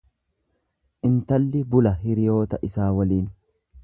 Intalli bula hiriyoota isaa waliin.